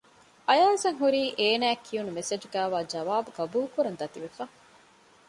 އަޔާޒަށް ހުރީ އޭނާއަށް ކިޔުނު މެސެޖުގައިވާ ޖަވާބު ގަބޫލުކުރަން ދަތިވެފަ